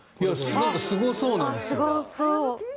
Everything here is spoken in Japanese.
すごそうなんですよ。